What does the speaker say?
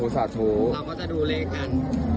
สาธุเราก็จะดูแลกัน